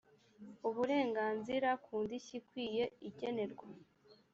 uburenganzira ku ndishyi ikwiye igenerwa